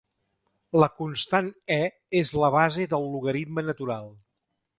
La constant "e" és la base del logaritme natural.